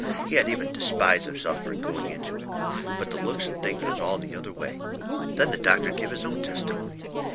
He had even despised himself fur going into it. But the looks of things was all the other way. Then the doctor give his own testimony.